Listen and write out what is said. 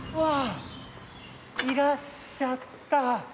いらっしゃった！